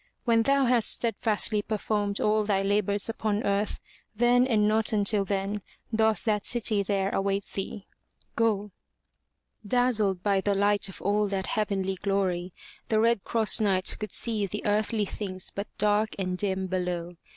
When thou hast steadfastly performed all thy labors upon earth, then and not until then, doth that city there await thee. Go!'' Dazzled by the light of all that heavenly glory, the Red Cross Knight could see the earthly things but dark and dim below.